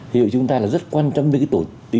hiểu chúng ta là rất quan trọng đến cái tổ tiên